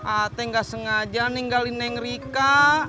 ateng gak sengaja ninggalin neng rika